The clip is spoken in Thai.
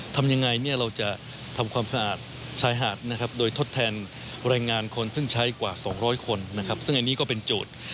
ทำยังไงเราจะทำความสะอาดชายหาดโดยทดแทนรายงานคนซึ่งใช้กว่า๒๐๐คนซึ่งอันนี้ก็เป็นโจทย์